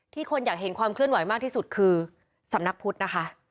คนอยากเห็นความเคลื่อนไหวมากที่สุดคือสำนักพุทธนะคะ